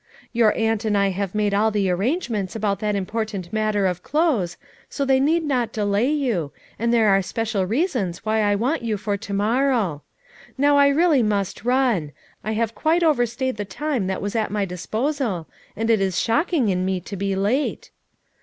Tour aunt and I have made all the arrangements 270 FOUR MOTHERS AT CHAUTAUQUA about that important matter of clothes, so they need not delay you, and there are special rea sons why I want you for to morrow* Now I really must run; I have quite overstayed the time that was at my disposal, and it is shock ing in me to he late."